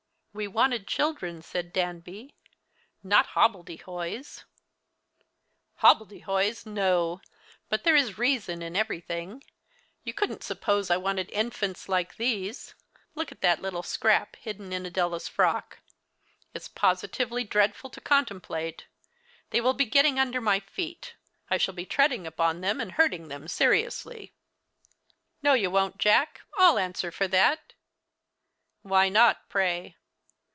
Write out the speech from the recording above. "We wanted children," said Danby, "not hobbledehoys" "Hobbledehoys! no, but there is reason in everything. You couldn't suppose I wanted infants like these look at that little scrap hidden in Adela's frock. It's positively dreadful to contemplate! They will be getting under my feet. I shall be treading upon them, and hurting them seriously." "No you won't, Jack; I'll answer for that." "Why not, pray?"